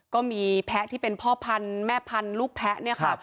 ก็มีแพะที่เป็นพ่อพันธุ์แม่พันธุ์ลูกแพะ